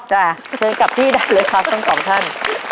เชิญกลับที่ได้เลยครับทั้งสองท่าน